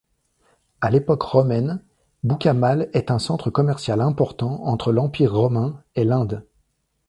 À l'époque romaine, Boukamal est un centre commercial important entre l'Empire romain et l'Inde.